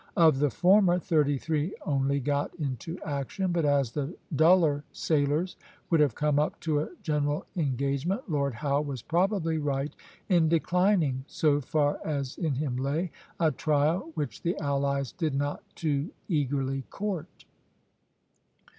Of the former, thirty three only got into action; but as the duller sailers would have come up to a general engagement, Lord Howe was probably right in declining, so far as in him lay, a trial which the allies did not too eagerly court.